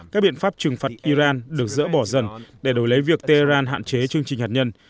các biện pháp trừng phạt iran được dỡ bỏ dần để đổi lấy việc tehran hạn chế chương trình hạt nhân